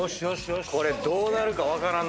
これどうなるか分からんな。